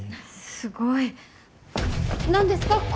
すごい。何ですか？